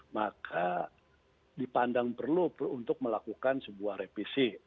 maka dipandang perlu untuk melakukan sebuah revisi